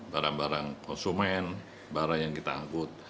barang barang konsumen barang yang kita angkut